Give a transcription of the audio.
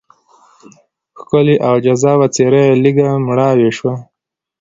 ښکلې او جذابه څېره یې لږه مړاوې شوه.